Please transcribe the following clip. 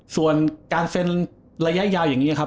ส่วนการเซ็นระยะยาวอย่างนี้ครับ